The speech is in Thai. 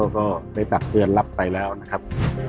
ก็ได้ตักเตือนรับไปแล้วนะครับ